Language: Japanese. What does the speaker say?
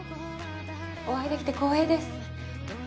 お会いできて光栄です。